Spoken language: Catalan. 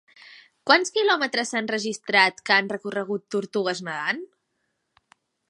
Quants km s'han registrat que han recorregut tortugues nedant?